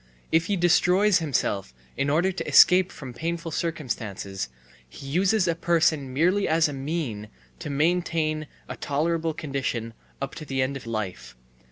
If he destroys himself in order to escape from painful circumstances, he uses a person merely as a mean to maintain a tolerable condition up to the end of life.